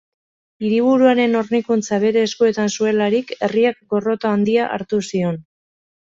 Hiriburuaren hornikuntza bere eskuetan zuelarik, herriak gorroto handia hartu zion.